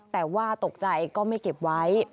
แต่ว่าตกใจก็ไม่เก็บไว้